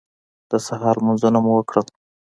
د سهار لمونځونه مو وکړل.